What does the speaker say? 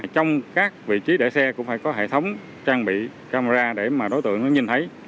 trong các vị trí để xe cũng phải có hệ thống trang bị camera để mà đối tượng nhìn thấy